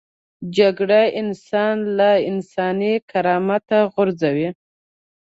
جګړه انسان له انساني کرامت غورځوي